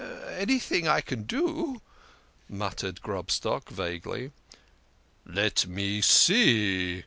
"Anything I can do " muttered Grobstock vaguely. " Let me see